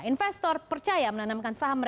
investor percaya menanamkan saham